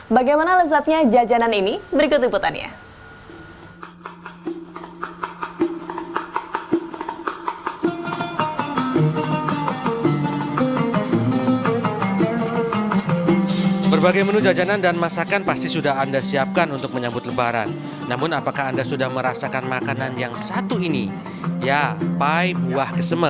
bagaimana lezatnya jajanan ini berikut inputannya